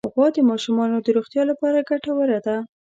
غوا د ماشومانو د روغتیا لپاره ګټوره ده.